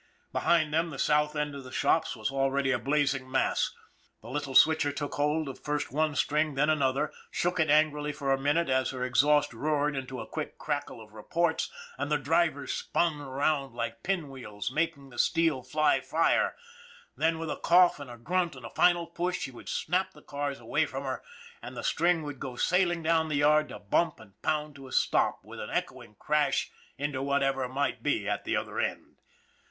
Behind them the south end of the shops was already a blazing THE BLOOD OF KINGS 201 mass. The little switcher took hold of first one string then another, shook it angrily for a minute as her ex haust roared into a quick crackle of reports and the drivers spun around like pin wheels making the steel fly fire, then with a cough and a grunt and a final push she would snap the cars away from her, and the string would go sailing down the yard to bump and pound to a stop, with an echoing crash, into whatever might be at the other end.